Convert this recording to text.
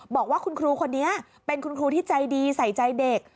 บอกว่าคุณครูคนนี้เป็นคุณครูที่ใจดีใส่ใจเด็ก